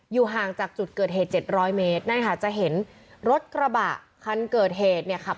ห่างจากจุดเกิดเหตุ๗๐๐เมตรนั่นค่ะจะเห็นรถกระบะคันเกิดเหตุเนี่ยขับ